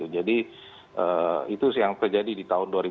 jadi itu yang terjadi di tahun dua ribu dua puluh